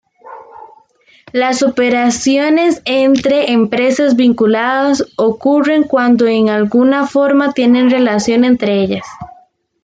Las operaciones entre empresas vinculadas ocurren cuando en alguna forma tienen relación entre ellas.